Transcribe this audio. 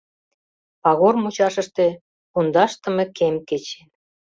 Пагор мучашыште пундашдыме кем кечен.